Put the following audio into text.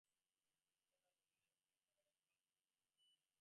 জেঠামশায় বলতেন, ফুলের বাগানের কাজ মেয়েদেরই, আর গোরু দোওয়ানো।